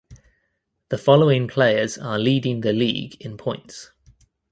The following players are leading the league in points.